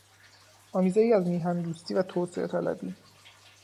آمیزهای از میهن دوستی و توسعه طلبی